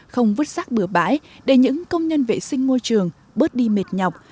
không vứt sát bửa bãi để những công nhân vệ sinh môi trường bớt đi mệt nhọc